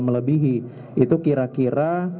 melebihi itu kira kira